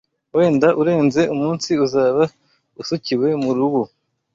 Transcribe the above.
Wenda urenze umunsi Uzaba usukiwe mu rubu